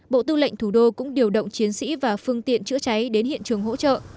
bộ tư lệnh thủ đô cũng điều động chiến sĩ và phương tiện chữa cháy đến hiện trường hỗ trợ